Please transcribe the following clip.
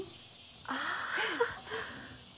ああ。